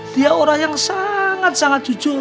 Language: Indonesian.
dia orang yang sangat sangat jujur